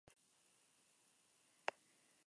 Ha sido responsable de diversos grupos de investigación.